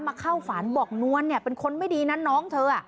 มาเข้าฝันบอกนวลเป็นคนไม่ดีนั้นน้องเธอ